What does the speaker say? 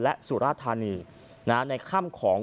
และสุราธานีในค่ำของ